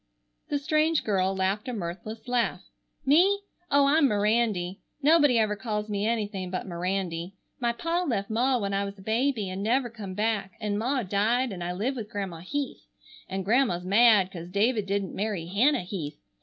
The strange girl laughed a mirthless laugh. "Me? Oh, I'm Mirandy. Nobody ever calls me anything but Mirandy. My pa left ma when I was a baby an' never come back, an' ma died, and I live with Grandma Heath. An' Grandma's mad 'cause David didn't marry Hannah Heath.